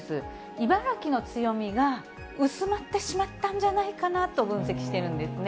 茨城の強みが薄まってしまったんじゃないかなと分析しているんですね。